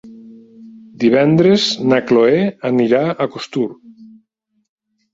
Divendres na Chloé anirà a Costur.